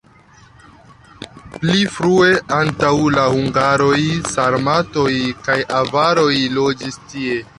Pli frue antaŭ la hungaroj sarmatoj kaj avaroj loĝis tie.